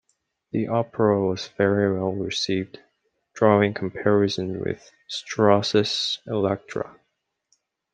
The opera was very well received, drawing comparisons with Strauss's Elektra.